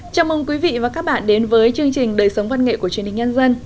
chào mừng quý vị và các bạn đến với chương trình đời sống văn nghệ của truyền hình nhân dân